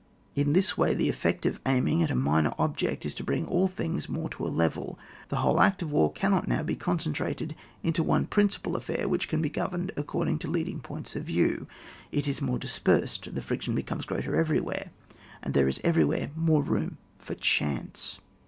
In this way the effect of aiming at a minor object is to bring all things more to a level : the whole act of the war cannot now be con centrated into one principal affair which can be governed according to leading points of view ; it is more dispersed ; the friction becomes greater everywhere, and there is everywhere more room for chance.